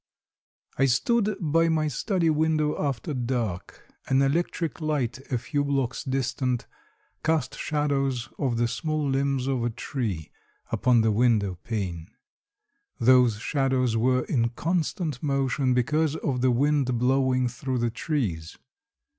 I stood by my study window after dark. An electric light a few blocks distant, cast shadows of the small limbs of a tree upon the window pane. Those shadows were in constant motion because of the wind blowing through the trees.